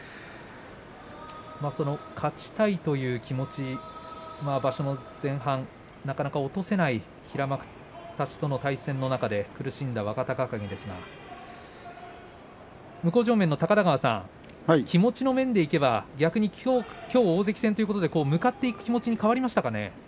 勝ちたいという気持ちが場所の前半なかなか落とせない平幕たちとの対戦の中で苦しんだ若隆景ですが向正面の高田川さん気持ちの面で言えば逆にきょう大関戦ということで向かっていく気持ちに変わりましたかね。